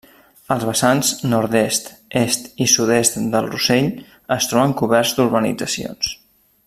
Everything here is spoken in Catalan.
Els vessants nord-est, est i sud-est del Rossell es troben coberts d'urbanitzacions.